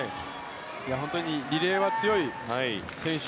本当にリレーは強い選手。